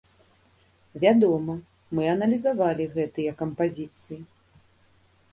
Вядома, мы аналізавалі гэтыя кампазіцыі.